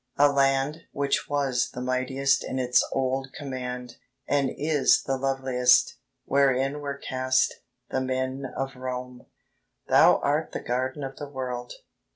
a land Which was the mightiest in its old command, And is the loveliest, ... Wherein were cast ...... the men of Rome! "Thou art the garden of the world."